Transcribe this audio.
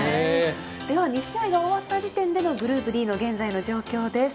２試合が終わった時点でのグループＤの現在の状況です。